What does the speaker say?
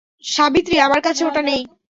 সাবিত্রী, আমার কাছে ওটা নেই।